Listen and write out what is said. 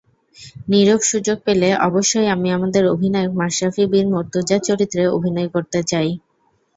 নিরবসুযোগ পেলে অবশ্যই আমি আমাদের অধিনায়ক মাশরাফি বিন মুর্তজার চরিত্রে অভিনয় করতে চাই।